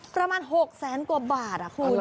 ประมาณ๖แสนกว่าบาทคุณ